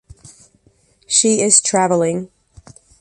She is traveling.